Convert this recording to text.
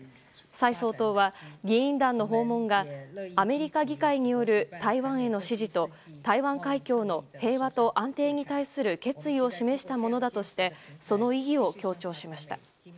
蔡総統は議員団の訪問がアメリカ議会による台湾への支持と台湾海峡の平和と安定に対する決意を示したものだとしてその意義を強調しました。